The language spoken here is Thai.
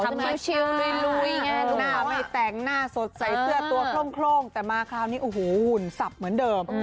ทำชิวดูอย่างนี้หน้าไม่แตงหน้าสดใส่เสื้อตัวโคร่งแต่มาคราวนี้หุ่นสับเหมือนเดิม